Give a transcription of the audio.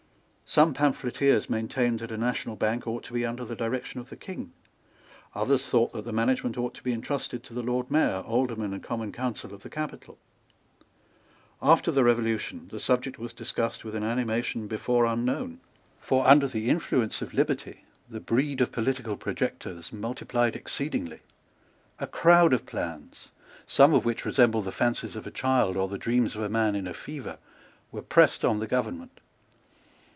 Some pamphleteers maintained that a national bank ought to be under the direction of the King. Others thought that the management ought to be entrusted to the Lord Mayor, Aldermen and Common Council of the capital. After the Revolution the subject was discussed with an animation before unknown. For, under the influence of liberty, the breed of political projectors multiplied exceedingly. A crowd of plans, some of which resemble the fancies of a child or the dreams of a man in a fever, were pressed on the government.